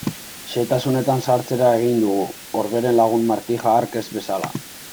Xehetasunetan sartzera egin dugu, Orberen lagun Martija hark ez bezala.